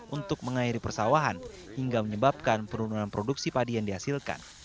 untuk mengairi persawahan hingga menyebabkan penurunan produksi padi yang dihasilkan